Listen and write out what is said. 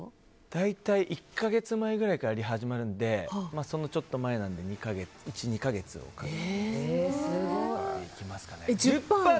大体１か月前ぐらいからリハが始まるのでそのちょっと前なので１２か月前には。